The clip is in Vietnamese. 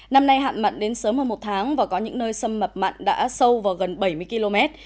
năm nay hạn mặn đến sớm hơn một tháng và có những nơi sâm mập mặn đã sâu vào gần bảy mươi km